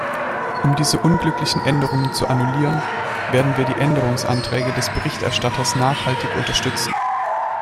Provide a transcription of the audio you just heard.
Um diese unglücklichen Änderungen zu annullieren, werden wir die Änderungsanträge des Berichterstatters nachhaltig unterstützen.